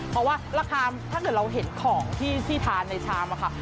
เพราะว่าราคาถ้าเกิดเราเห็นของที่ทานในชามค่ะ